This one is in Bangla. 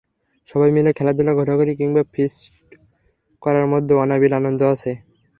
সবাই মিলে খেলাধুলা, ঘোরাঘুরি কিংবা ফিস্ট করার মধ্যে অনাবিল আনন্দ আছে।